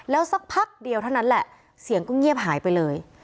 แล้วสักพักเดียวเท่านั้นแหละเสียงก็เงียบหายไปเลย